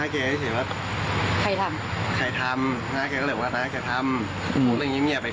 แกบอกผิดฝนมั้ย